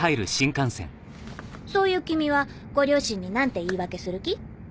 そういう君はご両親に何て言い訳する気？